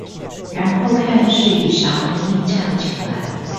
然後看是以啥名義架起來